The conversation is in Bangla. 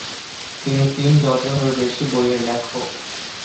তিনি তিন ডজনেরও বেশি বইয়ের লেখক।